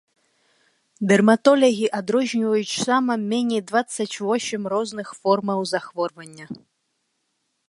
Дэрматолагі адрозніваюць, сама меней, дваццаць восем розных формаў захворвання.